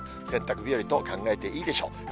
洗濯日和と考えていいでしょう。